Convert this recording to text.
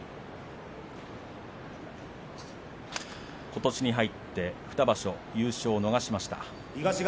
ことしに入って２場所、優勝を逃しました。